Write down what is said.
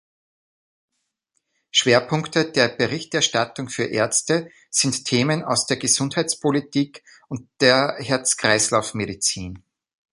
Schwerpunkte der Berichterstattung für Ärzte sind Themen aus der Gesundheitspolitik und der Herz-Kreislauf-Medizin.